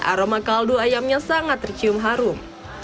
aroma kaldu ayamnya sangat tercium harum